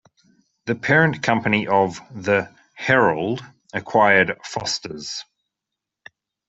The parent company of the "Herald" acquired "Foster's".